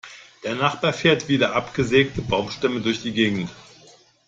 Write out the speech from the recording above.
Der Nachbar fährt wieder abgesägte Baumstämme durch die Gegend.